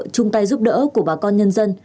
chung tay giúp đỡ của bà con nhân dân